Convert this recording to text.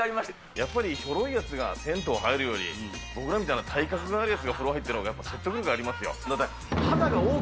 やっぱりひょろいやつが銭湯入るより、僕らみたいな体格あるやつが風呂入ってるほうが説得力ありますよ。